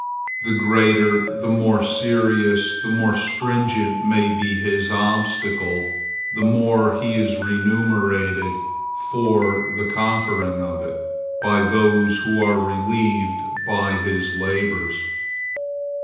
The greater, the more serious, the more stringent may be this obstacle, the more he is remunerated for the conquering of it, by those who are relieved by his labors.